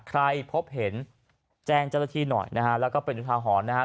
ใครพบเห็นแจ้งเจ้าหน้าที่หน่อย